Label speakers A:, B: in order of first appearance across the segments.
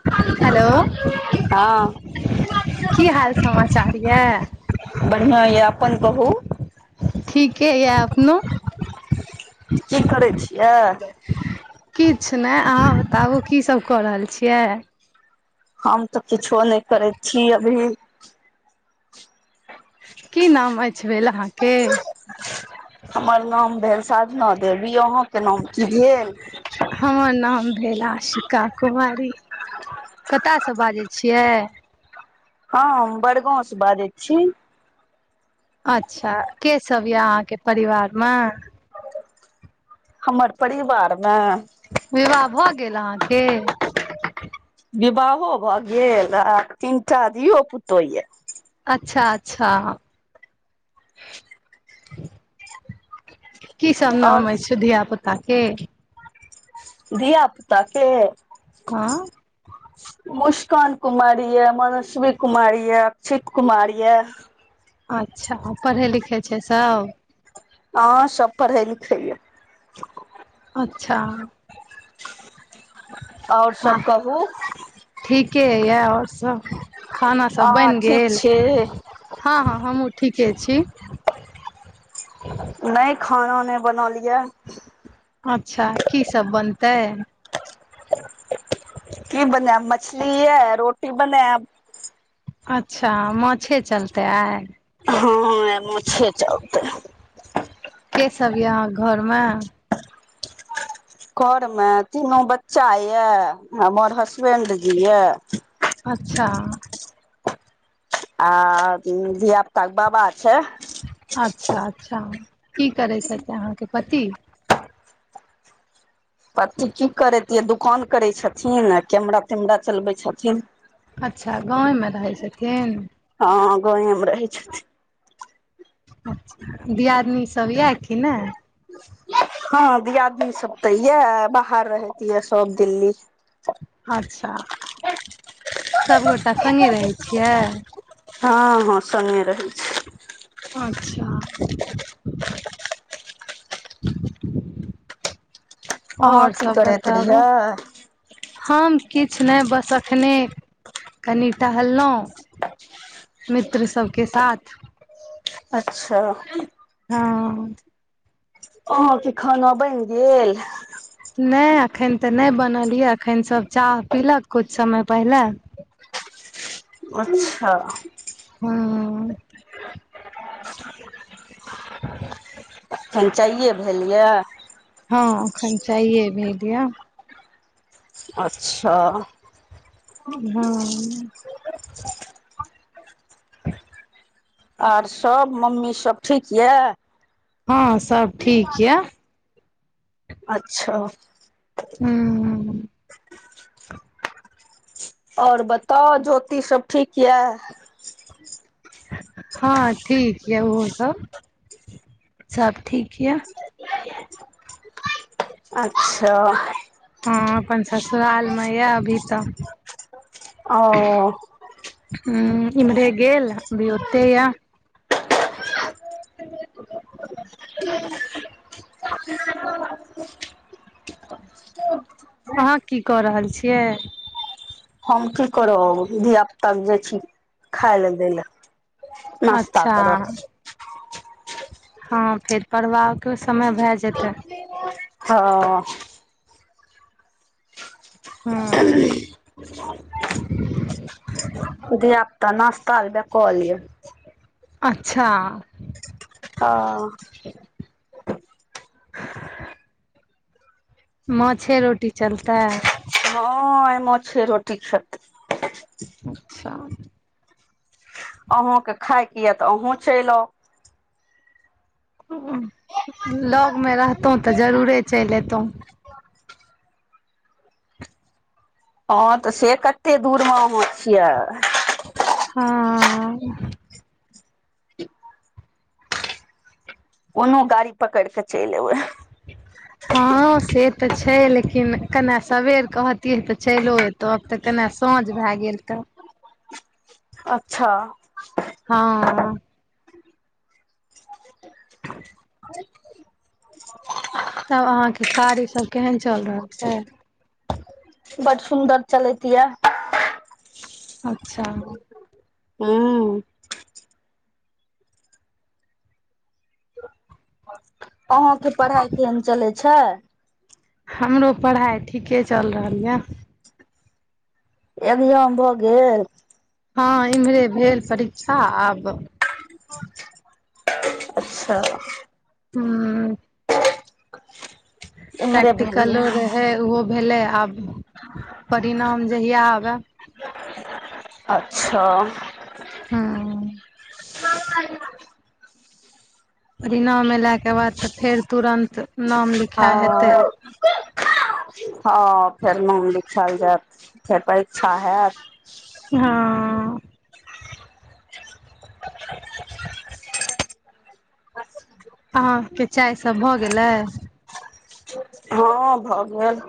A: हं
B: हेलो की हाल समाचार यऽ
A: बढ़िआ यऽ अपन कहू
B: ठीके यए अपनो
A: की करै छिय
B: किछु नय अहाँ बताबु की सब कऽ रहल छियै
A: हम तऽ किछो नय करै छी अभी
B: की नाम अइछ भेल अहाँके
A: हमर नाम भेल साधना देवी अहाँके नाम की भेल
B: हमर नाम भेल आशिका कुमारी कतयसँ बाजै छियइ
A: हँ हम बड़गाँंव से बाजय छी
B: अच्छा के सब यऽ अहाँके परिवार में
A: हमर परिवार में
B: विवाह भऽ गेल अहाँके
A: विवाहो भऽ गेल आ तीनटा इो पुतो या
B: अच्छा अच्छा की सब
A: और
B: नाम अछि छै धिय पुता के
A: धिया पूता के
B: हँ
A: मुस्कान कुमारी यए मनस्वी कुमार यए अक्षित कुमार यऽ
B: अच्छा पढ़ै लिखै छै सब
A: ह सब पढ़ै लिखै या
B: अच्छा
A: आओर
B: आ
A: सब कहू
B: ठीके या आओर सभ खानासभ
A: अहाँ
B: बनि
A: ठीक
B: गेल
A: छी
B: हँ हँ हँ हमू ठिके छि
A: नहि खाना नहि बनल यए
B: अच्छा की सब बनतै
A: की बनय मछली ह रोटी बनैब
B: अच्छा माछे चलते आए
A: हँ माछैे चलतै
B: के बब यऽ अहाँके घरमे
A: घरमे तीनू बच्चा ये हमर हसबेंड जी ये
B: अच्छा
A: आ धिया पुताके बाबा छै
B: अच्छा अच्छा कि करै छथ अहाँके पति
A: पति कि करैतियै दुकान करै छथिन आ कैमरा तेमरा चलबै छथिन
B: अच्छा गाँवेमे रहै छथिन
A: हँ गावे मे रहैय छथिन्ह
B: अच्छा दियदनी सब यए कि नै
A: हँ द आदमी सब तऽ यए बाहर रहत यै सब दिल्ली
B: अच्छा सभगोटा संगे रहै छियै
A: हँ हँ संग रहैत छै
B: अच्छा
A: अहाँ
B: आओर
A: की
B: सभ
A: करैत
B: बताबू
A: रहियै
B: हम किछ नहि बसखने कनि टहलहुँ मित्र सबके साथ
A: अच्छा
B: हँ
A: अहाँके खाना बनि गेल
B: नहि एखन तऽ नहि बनल यऽ अखन सभ चाह पीलक किछु समय पहिले
A: अच्छा
B: हँ
A: अखन चाइए भेल या
B: हँ अखन चाइए भेल यऽ
A: अच्छा
B: हँ
A: आर सब मम्मीसभ ठीक यऽ
B: हँ सब ठीक य
A: अच्छा
B: हूँ
A: और बताउ ज्योति सब ठीक यऽ
B: हँ ठीक यऽ ओहो सब सब ठीक यै
A: अच्छा
B: हँ अपन ससुराल में यऽ अभी तऽ
A: औ
B: हं इम्हरे गेल अभी ओते य अहाँ की कऽ रहल छियइ
A: हम की करब धिय पुता के जा छी खाय ले दै लए नाश्ता
B: अच्छा
A: करब
B: हँ फेर पढ़बाके समय भए जेतय
A: हँ
B: हम्म
A: धियापता नस्तऽ ल बैकल य
B: अच्छा
A: हं
B: हं माछे रोटी चलतय
A: हँ मछ रोटी खैतय
B: अच्छा
A: अहूँके खायके ये तऽ अहूँ चलि आउ
B: लग में रहतहुँ तऽ
A: आउ
B: जरूरे चलि एतहुँ
A: हँ तऽ से कते दूर में अहाँ छियै
B: हँ
A: कोनो गाड़ी पकड़ कऽ चइल एबै [unintelligible]
B: हँ से तऽ छय लेकिन कने सबेर कहतियै तऽ चैलो एतै अब तऽ कने साँझ भए गेल तऽ
A: अच्छा
B: हँ
A: [unintelligible]
B: तब अहाँ के कार्य सब केहन चल रहल छै
A: बड सुन्दर चलैत यए
B: अच्छा
A: हूँ अहाँ के पढ़ाई केहन चले छै
B: हमरो पढ़ाइ ठीके चाइल रहल यऽ
A: एगजाम भऽ गेल
B: हँ इम्हरे भेल परीक्षा आब
A: अच्छा
B: हँ
A: इम्हरे
B: प्रैक्टिकलो
A: भेलियै
B: रहए हे ओहो भेलै आब परिणाम जहिया आबए
A: अच्छा
B: हूँ
A: [unintelligible]
B: [unintelligible] के बाद त फेर तुरन्त नाम लिख
A: हँ हँ फेर नाम लिखायल जायत फेर परीक्षा हैत
B: हँ
A: [inaudible]
B: अहाँकेँ चाय सब भऽ गेलै
A: हँ भऽ गेल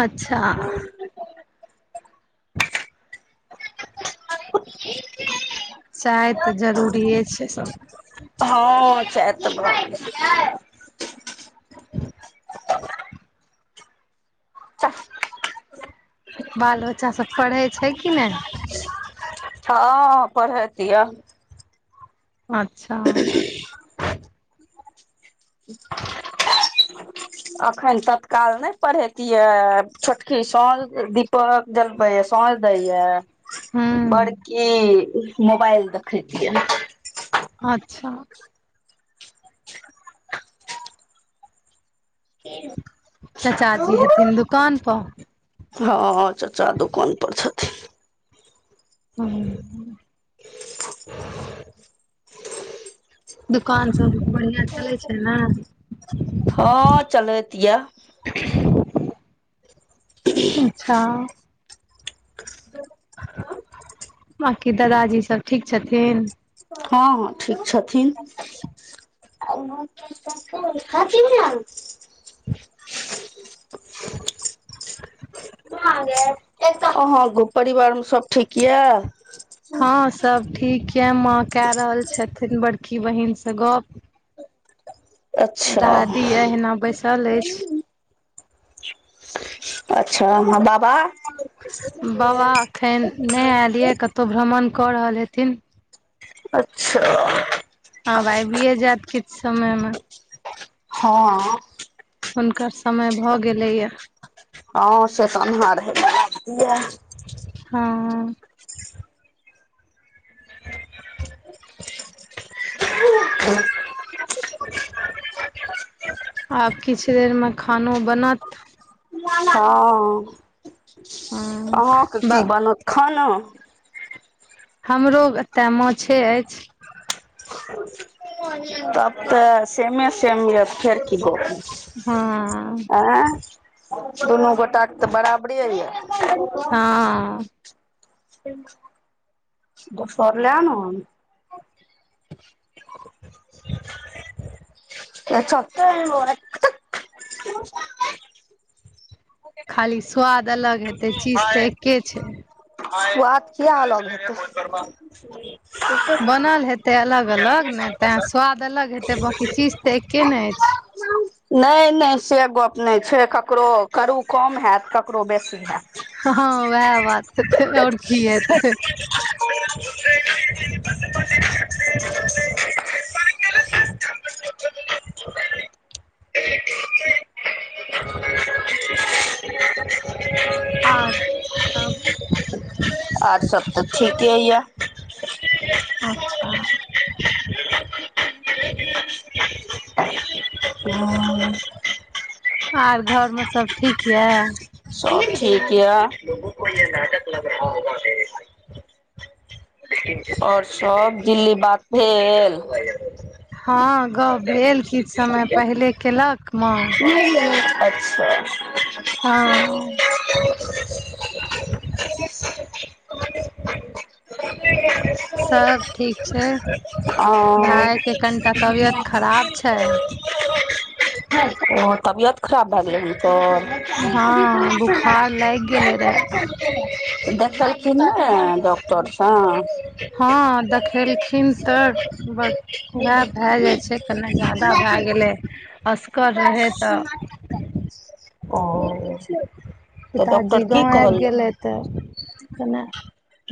B: अच्छा
A: [inaudible]
B: चाय तऽ जरूरिये छै सभकेँ
A: हँ चाच तऽ भऽ गेलै
B: बाल बच्चा सब पढ़ै छै कि नहि
A: हँ पढ़ैत य
B: अच्छा
A: अखैन तत्काल नहि पढ़ैतियै छोटकी साँझ दीपक जलबै यऽ साँझ दै यऽ
B: हूँ
A: बड़की मोबाइल दखैत यऽ
B: अच्छा
A: [inaudible]
B: चचा जी हेथिन दुकान पऽ
A: हँ चचा दुकान पर छथिन
B: हँ
A: [inaudible]
B: दुकान सब बढ़िआँ चलै
A: छथिन
B: छै नऽ
A: हँ चलैत यऽ
B: अच्छा
A: [inaudible]
B: बकी दादाजी सब ठीक छथिन
A: हँ हँ ठीक छथिन [inaudible] [inaudible] अहाँ गो परिवार मे सब ठीक यऽ
B: हँ सब ठीक यऽ माँ कए रहल छथिन बड़की बहिनसँ गप
A: अच्छा
B: दादी अहिना बैसल अछि
A: अच्छा हँ बाबा
B: बाबा एखन नहि आयल यए कतहु भ्रमण कऽ रहल हेथिन
A: अच्छा
B: हब आबियए जायत किछ समयमे
A: हँ
B: हुनकर समय भऽ गेलै यऽ
A: हँ से तऽ [unintelligible]
B: हँ
A: [inaudible]
B: आब किछु देर मे खानो बनत
A: हँ
B: हँ
A: अहाँके
B: ब
A: की बनत खाना
B: हमरो एतऽ माछे अछि
A: तब तऽ सेमे सेमिय फेर की
B: हँ
A: गेप आँय दुनू गोटाके तऽ बराबरे यए
B: हँ
A: [unintelligible] दोसर लऽ न आन त छत
B: खाली स्वाद अलग हेतै चीज तऽ एके छै
A: स्वाद किया अलग हेतय
B: बनल हेतै अलग अलग ने तें स्वाद अलग हेतै बाकी चीज तऽ एके ने अछि
A: नहि नहि से गप नहि छै ककरो करू कम हैत ककरो बेसी हायत
B: हँ उएह बात हेतै आओर की हेतै
A: [inaudible]
B: और सब बताउ
A: आ ओर सब तऽ ठीके यऽ
B: अच्छा
A: [unintelligible]
B: आर घरमे सब ठीक यए
A: सब ठीक य ओर सभ दिल्ली बात भेल
B: हँ गप भेल किछु समय पहिले केलक माँ
A: अच्छा
B: हँ सब ठीक छै
A: अ
B: भाय के कनिटा तबियत खराब छै
A: ओ तबियत खराब भए गेलै
B: हँ
A: हन
B: बुखार लागि गेले रहे
A: तऽ देखलखिन ने डॉक्टरसँ
B: हँ देखेलखिन तऽ बड़ उएह भए जाइ छै कनि ज्यादा भए गेलै असगर रहै तऽ
A: ओ तऽ
B: पिताजी
A: डॉक्टर की
B: गाँंव आबि
A: कहल
B: गेलैतह तऽ कने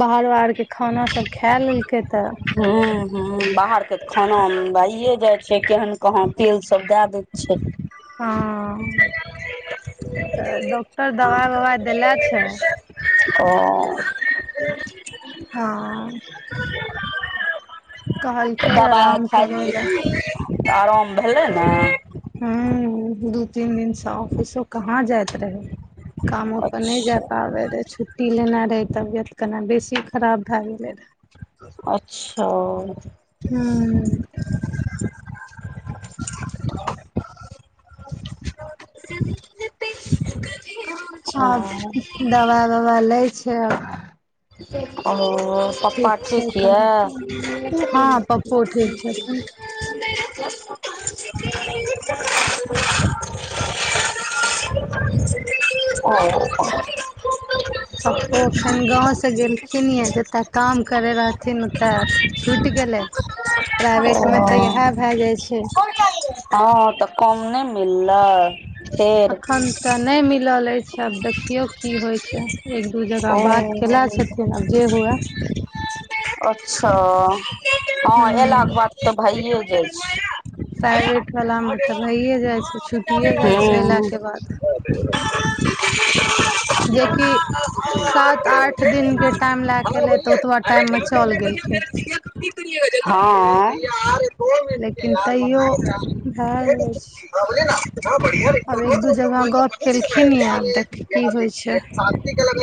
B: बाहारो आाहरके खाना सब खा लेलकै तऽ
A: ह ह बाहरके खानामे भइए जाइ छै केहन कहाँ तेल सब दए दै छै
B: हँ तऽ डॉक्टर दबाइ ववाइ देने छै
A: ओ
B: हँ कहलकै
A: दबाइ
B: आराम
A: खा
B: करै
A: तऽ
B: लए
A: आराम भेलै नऽ
B: हू दू तीन दिनसँ ऑफिसो कहाँ जाइत रहै कामो पर न जाय
A: अच्छा
B: पाबै तऽ छुट्टी लेना रहै तबियत केना बेसी खराब भए गेलै रहै
A: अच्छा
B: हँ
A: [inaudible]
B: आ
A: अच्छा
B: दवा वा लै छै आब
A: ओ पप्पा
B: छै
A: ठीक
B: कनि
A: यऽ
B: हँ पप्पो ठीक छथिन
A: [inaudible] हनक [unintelligible]
B: तो एखन गांव से गेल लखिन जतय काम करै रहथिन ओतऽ अथी छुटि गेलै प्राइवेटमे तऽ इएह भए जाइत छै
A: हँ तऽ कम नहि मिललै फेर
B: एखन तऽ ने मिलल अछि आब देखियौ की होइत छै एक दू जगह बात केला
A: ओ
B: छथिन आब जे हुए
A: अच्छा हँ
B: हूँ
A: अयलाके बाद तऽ भइए जाइ छै
B: प्राइवेट वलामे तऽ भइए जाइ छै छुट
A: हू
B: कि सात आठ दिनके टाइम लए क
A: हाँ
B: एलै तऽ ओतबा टाइम मे
A: बोलिए।
B: चल गेलखिन
A: [unintelligible] हँ मिनट के
B: लेकिन
A: यार
B: तैयो
A: बनाए यार
B: भए जाइ
A: बोले ना इतना
B: छै
A: बढ़िया रिटर्न
B: आब
A: हुआ
B: एक
A: तो
B: दू
A: मतलब
B: जगह
A: वही
B: गप
A: पता चल रहा है
B: केलखिन ये
A: यार
B: आब देख की होइ छै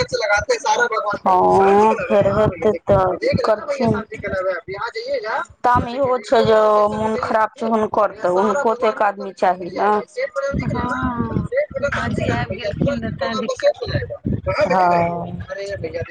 A: हँ फेरत सेते तऽ करथिन [unintelligible] छै जे ओ मोन खराब छै हुनकर तऽ हुनको ते एक आदमी चाही ने है ना
B: हँ
A: सेट बटन
B: पिताजी
A: दाबिएगा ना
B: आबि गेलखिन रहऽ तें दिक्कत
A: ह अ भै [unintelligible]